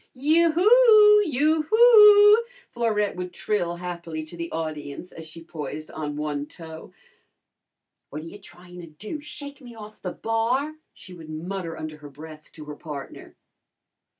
"Yoo hoo! Yoo hoo!" Florette would trill happily to the audience as she poised on one toe. "What ta you tryin' to do shake me off'n the bar?" she would mutter under her breath to her partner.